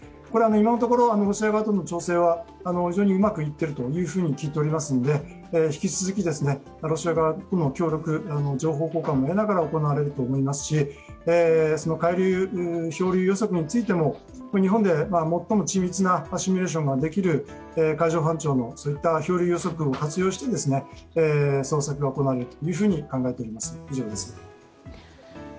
今のところロシア側との調整は非常にうまくいっていると聞いていますので引き続き、ロシア側との協力、情報交換もやりながら行われると思いますしその海流、潮流予測についても日本で最も緻密なシミュレーションが出来る海上保安庁の漂流予測を活用して捜索が行われると考えています。